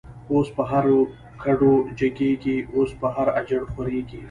اوس په هر کډو جگیږی، اوس په هر”اجړ” خوریږی